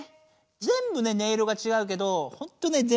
全部ね音色が違うけどほんとね